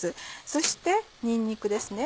そしてにんにくですね